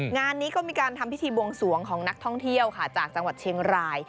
งานนี้ก็มีการทำพิธีบวงสวงของนักท่องเที่ยวค่ะจากจังหวัดเชียงราย